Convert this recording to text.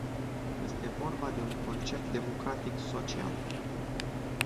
Este vorba de un concept democratic social.